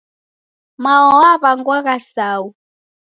Mao waw'angwagha Sau.